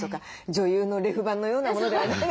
女優のレフ板のようなものではない？